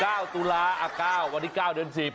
ตุลาอ่ะเก้าวันที่เก้าเดือนสิบ